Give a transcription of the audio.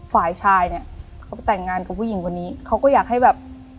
ฝ่ายชายเนี่ยเขาไปแต่งงานกับผู้หญิงคนนี้เขาก็อยากให้แบบ